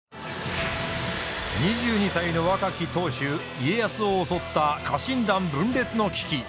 ２２歳の若き当主家康を襲った家臣団分裂の危機！